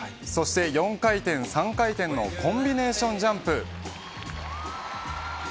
そして４回転、３回転のコンビネーションジャンプ。